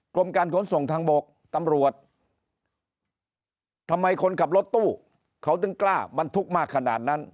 กรมการขนส่งทางบกตำรวจทำไมคนขับรถตู้เขาถึงกล้าบรรทุกมากขนาดนั้น